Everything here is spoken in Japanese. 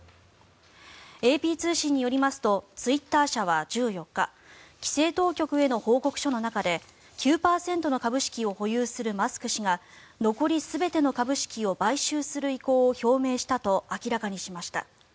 ＡＰ通信によりますとツイッター社は１４日規制当局への報告書の中で９％の株式を保有するマスク氏が残り全ての株式を買収する意向を表明したと明らかにしました。